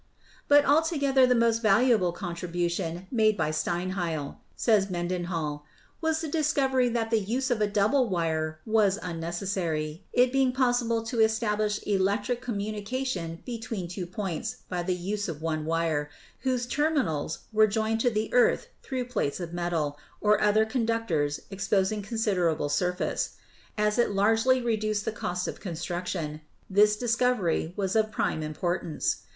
"But altogether the most valuable contribution made by Steinheil," says Mendenhall, "was the discovery that the use of a double wire was unnecessary, it being possible to establish electric communication between two points by the use of one wire, whose terminals were joined to the earth through plates of metal, or other conductors ex posing considerable surface. As it largely reduced the cost of construction, this discovery was of prime impor tance.